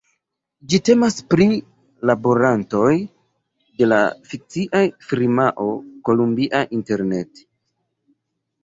Ĝi temas pri laborantoj de la fikcia firmao Columbia Internet.